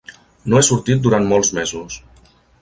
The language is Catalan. No he sortit durant molts mesos.